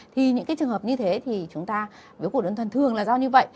thì những trường hợp như thế thì chúng ta biểu khuẩn ơn thuần thường là do như vậy